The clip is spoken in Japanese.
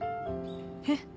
えっ。